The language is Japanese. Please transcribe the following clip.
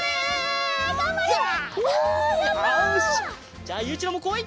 じゃあゆういちろうもこい！